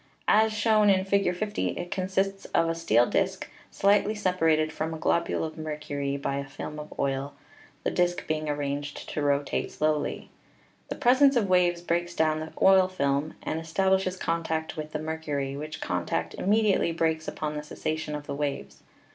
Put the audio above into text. As shown in Fig. 50, it consists of a steel disk, slightly separated from a globule of mercury by a film of oil, the disk being arranged to rotate slowly. The 316 ELECTRICITY presence of waves breaks down the oil film and estab lishes contact with the mercury, which contact immedi ately breaks upon the cessation of the waves.